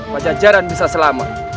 baca jaran bisa selamat